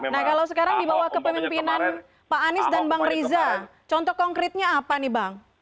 nah kalau sekarang dibawah kepemimpinan pak anies dan bang riza contoh konkretnya apa nih bang